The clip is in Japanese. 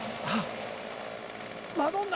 あっ。